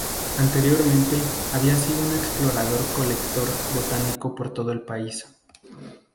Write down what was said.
Anteriormente había sido un explorador colector botánico por todo el país.